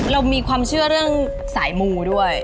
เรามีความเชื่อเรื่องสายมูด้วย